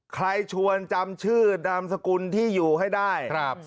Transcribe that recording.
๑ใครชวนจำชื่อดำสกุลที่อยู่ให้ได้